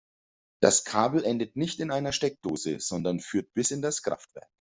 Das Kabel endet nicht in einer Steckdose, sondern führt bis in das Kraftwerk.